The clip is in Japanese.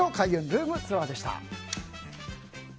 ルームツアー！でした。